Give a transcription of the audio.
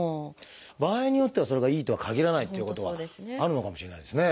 場合によってはそれがいいとはかぎらないということはあるのかもしれないですね。